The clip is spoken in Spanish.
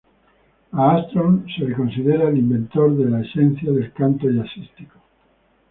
A Armstrong se le considera el inventor de la esencia del canto jazzístico.